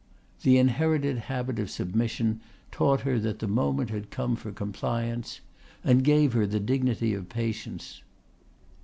The inherited habit of submission taught her that the moment had come for compliance and gave her the dignity of patience.